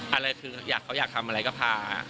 อะไรคือเขาอยากทำอะไรก็พา